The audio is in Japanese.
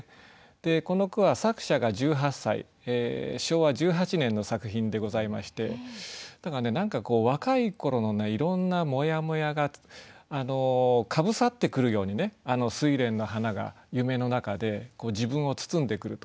でこの句は作者が１８歳昭和１８年の作品でございまして何かこう若い頃のねいろんなモヤモヤがかぶさってくるようにね睡蓮の花が夢の中で自分を包んでくると。